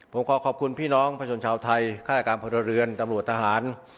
ผมขอขอบคุณพี่น้องประชาชนชาวไทยฆาตการพลเรือนตำรวจทหาร